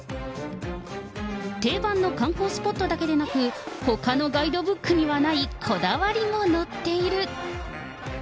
定番の観光スポットだけでなく、ほかのガイドブックにはないこだわりも載っている。